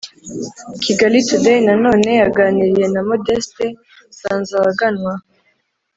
kigali today na none yaganiriye na modeste nsanzabaganwa,